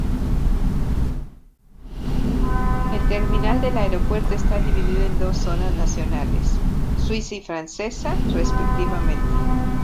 El terminal del aeropuerto está dividido en dos zonas nacionales, suiza y francesa, respectivamente.